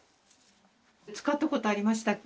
使ったことありましたっけ？